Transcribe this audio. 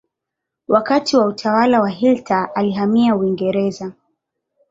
Wakati wa utawala wa Hitler alihamia Uingereza.